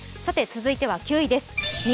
続いては９位です。